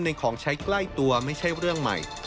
ของใช้ใกล้ตัวไม่ใช่เรื่องใหม่